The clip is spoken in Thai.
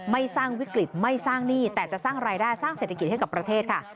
ไม่สร้างวิกฤตไม่สร้างหนี้แต่จะสร้างรายได้สร้างเศรษฐกิจให้กับประเทศค่ะ